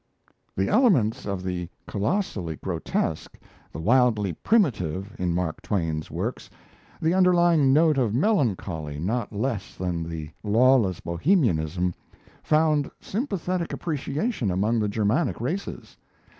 The elements of the colossally grotesque, the wildly primitive, in Mark Twain's works, the underlying note of melancholy not less than the lawless Bohemianism, found sympathetic appreciation among the Germanic races.